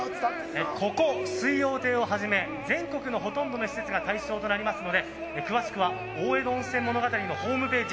ここ水葉亭をはじめ全国のほとんどの施設が対象となりますので詳しくは大江戸温泉物語のホームページ